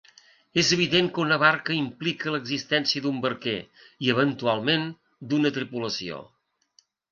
És evident que una barca implica l’existència d’un barquer i, eventualment, d’una tripulació.